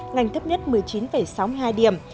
ngành thấp nhất một mươi chín sáu mươi hai điểm